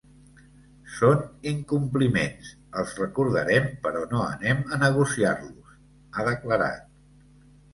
Són incompliments; els recordarem però no anem a negociar-los, ha declarat.